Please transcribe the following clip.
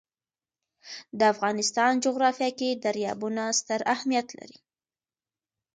د افغانستان جغرافیه کې دریابونه ستر اهمیت لري.